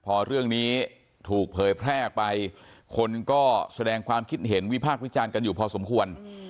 พอเรื่องนี้ถูกเผยแพร่ออกไปคนก็แสดงความคิดเห็นวิพากษ์วิจารณ์กันอยู่พอสมควร